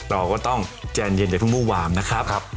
เราก็ต้องใจเย็นอย่าเพิ่งวู้วามนะครับ